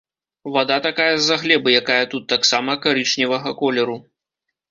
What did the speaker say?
Вада такая з-за глебы, якая тут таксама карычневага колеру.